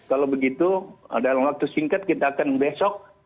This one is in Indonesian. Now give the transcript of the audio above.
kalau begitu dalam waktu singkat kita akan besok